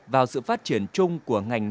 vào sự phát triển chung của ngành